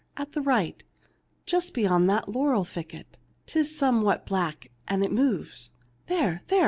at the right ; just beyond that laurel thicket. 'Tis somewhat black, an' it moves. There ! there